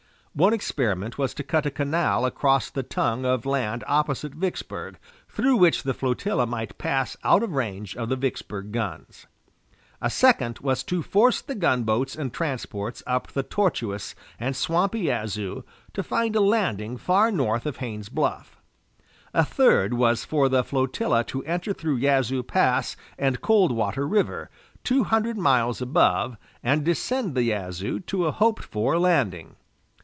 One experiment was to cut a canal across the tongue of land opposite Vicksburg, through which the flotilla might pass out of range of the Vicksburg guns. A second was to force the gunboats and transports up the tortuous and swampy Yazoo to find a landing far north of Haines's Bluff. A third was for the flotilla to enter through Yazoo Pass and Cold Water River, two hundred miles above, and descend the Yazoo to a hoped for landing.